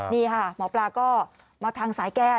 นี่ค่ะหมอปลาก็มาทางสายแก้